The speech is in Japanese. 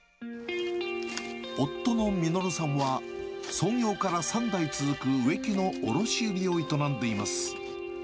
夫の稔さんは、創業から３代続く植木の卸売りを営んでいます。